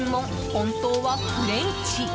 本当はフレンチ。